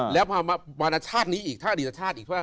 แล้วพอมารชาตินี้อีกถ้าอดีตชาติอีกใช่ไหม